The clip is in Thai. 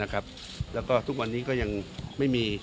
แล้วก็ทุกวันนี้ก็ยังไม่มี